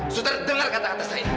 buster dengar kata kata saya